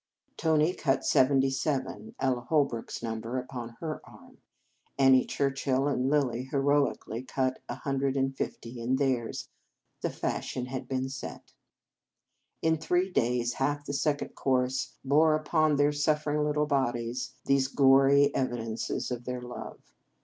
Tony cut seventy seven, Ella Holrook s number, upon her arm. Annie Churchill and Lilly heroically cut a hundred and fifty on theirs. The fashion had been set. In three days half the Second Cours bore upon their suffering little bodies these gory evidences of their love.